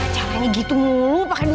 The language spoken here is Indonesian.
caranya gitu mulu pakai duit